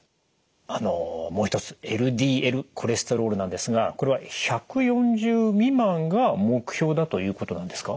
あのもう一つＬＤＬコレステロールなんですがこれは１４０未満が目標だということなんですか？